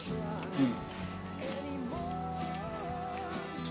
うん。